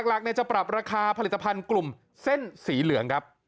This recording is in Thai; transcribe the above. หลักจะปรับราคาผลิตภัณฑ์กลุ่มเส้นสีเหลืองครับ